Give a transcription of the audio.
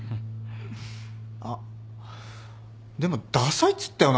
あっでもダサいっつったよな？